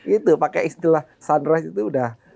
itu pakai istilah sunrise itu udah